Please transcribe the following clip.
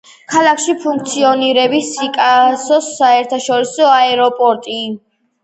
ქალაქში ფუნქციონირებს სიკასოს საერთაშორისო აეროპორტი.